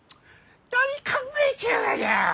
何考えちゅうがじゃ！